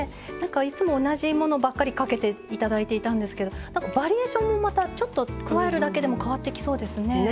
なんかいつも同じものばっかりかけて頂いていたんですけどなんかバリエーションもまたちょっと加えるだけでも変わってきそうですね。